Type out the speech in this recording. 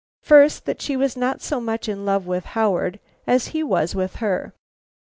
First, that she was not so much in love with Howard as he was with her.